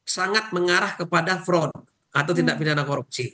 sangat mengarah kepada front atau tindak pidana korupsi